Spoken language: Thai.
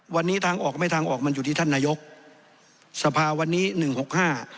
วันนี้ทางออกไม่ทางออกมันอยู่ที่ท่านนายกสภาวันนี้หนึ่งหกห้า